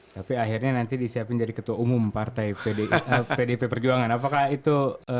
tapi akhirnya nanti disiapin jadi ketua umum partai pdip perjuangan apakah itu